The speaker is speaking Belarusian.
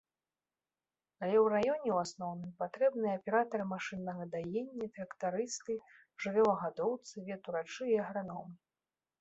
Але ў раёне, у асноўным, патрэбныя аператары машыннага даення, трактарысты, жывёлагадоўцы, ветурачы і аграномы.